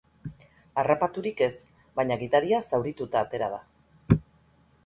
Harrapaturik ez baina gidaria zaurituta atera da.